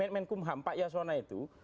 menkumham pak yasona itu